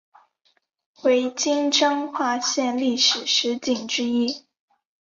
为今彰化县历史十景之一。